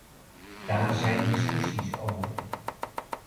Daar zijn discussies over.